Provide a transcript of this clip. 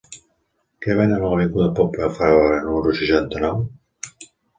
Què venen a l'avinguda de Pompeu Fabra número seixanta-nou?